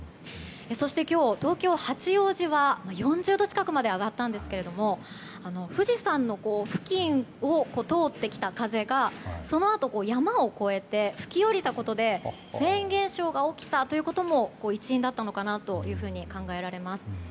そして今日、東京・八王子は４０度近くまで上がったんですけども富士山の付近を通ってきた風がそのあと山を越えて吹き降りたことでフェーン現象が起きたことも一因だったのかなと考えられます。